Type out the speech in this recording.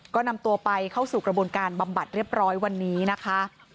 ก็นำตัวไปเข้าสู่กระบวนการบำบัดเรียบร้อยวันนี้นะคะ